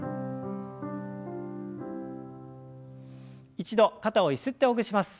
一度肩をゆすってほぐします。